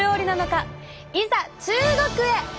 いざ中国へ！